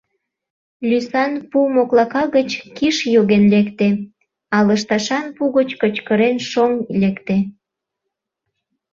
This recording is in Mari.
Лӱсан пу моклака гыч киш йоген лекте, а лышташан пу гыч кычкырен шоҥ лекте.